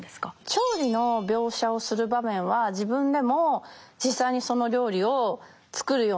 調理の描写をする場面は自分でも実際にその料理を作るようにします。